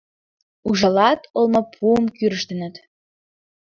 — Ужалат... олмапуым кӱрыштыныт...